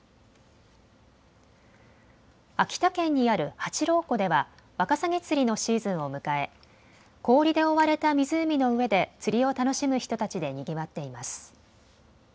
秋田県にある八郎湖ではワカサギ釣りのシーズンを迎え氷で覆われた湖の上で釣りを楽しむ人たちでにぎわっています。